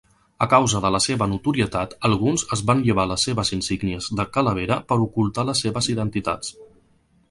A causa de la seva notorietat, alguns es van llevar les seves insígnies de "calavera" per a ocultar les seves identitats.